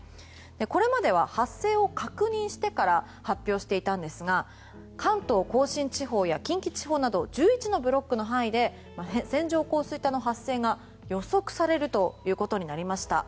これまでは発生を確認してから発表していたんですが関東・甲信地方や近畿地方など１１のブロックの範囲で線状降水帯の発生が予測されるということになりました。